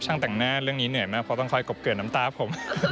แต่งหน้าเรื่องนี้เหนื่อยมากเพราะต้องคอยกบเกิดน้ำตาผม